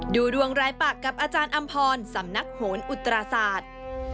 ดูดวงรายปากกับอาจารย์อำพรสำนักโหนอุตราศาสตร์